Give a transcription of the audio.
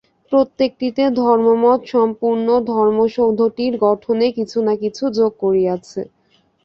প্রত্যেকটি ধর্মমত সম্পূর্ণ ধর্মসৌধটির গঠনে কিছু না কিছু যোগ করিয়াছে।